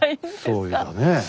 そうだねえ。